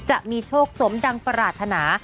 จะมีโชคสมดังปรารถนา